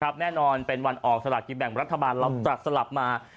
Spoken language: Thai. แน่นอนเป็นวันออกสลากกินแบ่งรัฐบาลเราจัดสลับมา